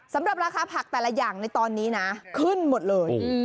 สำหรับราคาผักแต่ละอย่างในตอนนี้นะขึ้นหมดเลย